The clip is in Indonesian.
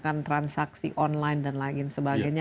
menggunakan transaksi online dan lain sebagainya